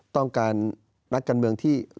ต้องการนักการเมืองที่